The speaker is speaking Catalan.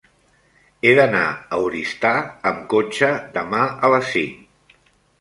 He d'anar a Oristà amb cotxe demà a les cinc.